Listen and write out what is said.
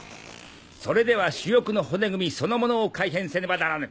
それでは主翼の骨組みそのものを改変せねばならぬ。